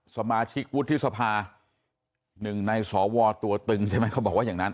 สมาชิกวุฒิสภาหนึ่งในสวตัวตึงใช่ไหมเขาบอกว่าอย่างนั้น